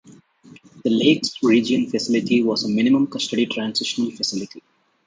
The Lakes Region Facility was a minimum custody transitional facility.